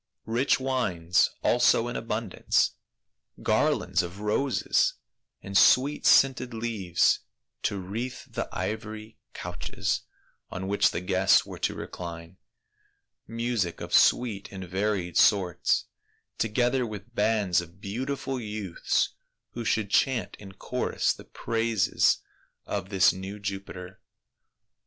Rich wines also in abundance, garlands of roses and sweet scented leaves to wreathe the ivory couches on which the guests were to recline, music of sweet and varied sorts, together with bands of beau tiful youths who should chant in chorus the praises of this new Jupiter.